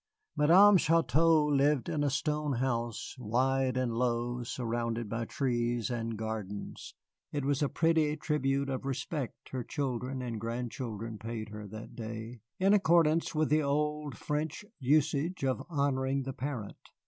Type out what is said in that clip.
Madame Chouteau lived in a stone house, wide and low, surrounded by trees and gardens. It was a pretty tribute of respect her children and grandchildren paid her that day, in accordance with the old French usage of honoring the parent.